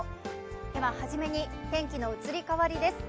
では初めに天気の移り変わりです。